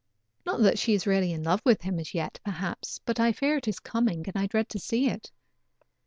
Not that she is really in love with him as yet perhaps, but I fear it is coming and I dread to see it.